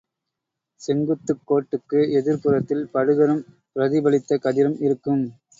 செங்குத்துக் கோட்டுக்கு எதிர்ப்புறத்தில் படுகரும் பிரதிபலித்த கதிரும் இருக்கும்.